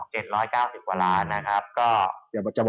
ก็อยู่ที่ประมาณ๑๕๑๑จุด